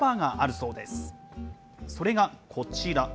それがこちら。